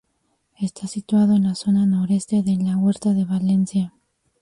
Está situado en la zona noreste de la Huerta de Valencia.